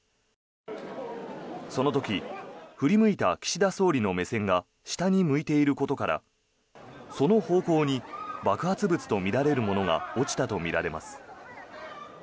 その時、振り向いた岸田総理の目線が下に向いていることからその方向に爆発物とみられるものが落ちたとみられます。